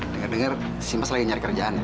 dengar dengar sih mas lagi nyari kerjaannya